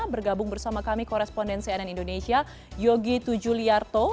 bergabung bersama kami koresponden cnn indonesia yogi tujuliarto